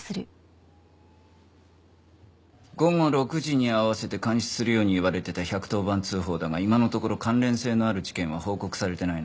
午後６時に合わせて監視するように言われてた１１０番通報だが今のところ関連性のある事件は報告されてないな。